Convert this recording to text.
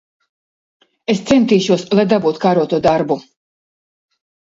Es centīšos, lai dabūtu kāroto darbu.